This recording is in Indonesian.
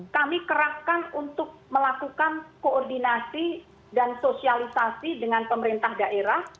kami kerapkan untuk melakukan koordinasi dan sosialisasi dengan pemerintah daerah